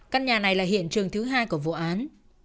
căn nhà này là hiện trường thứ hai của vụ án